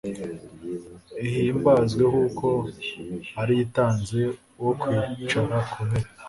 ihimbazwe kuko ari yo itanze uwo kwicara ku ntebe